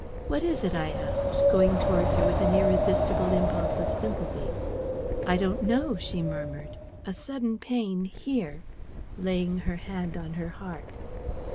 "What is it?" I asked, going towards her with an irresistible impulse of sympathy. "I don't know," she murmured; "a sudden pain here," laying her hand on her heart.